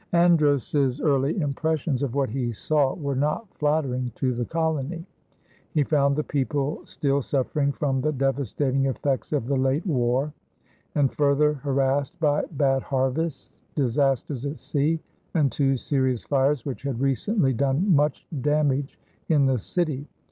Andros's early impressions of what he saw were not flattering to the colony. He found the people still suffering from the devastating effects of the late war and further harassed by bad harvests, disasters at sea, and two serious fires which had recently done much damage in the city.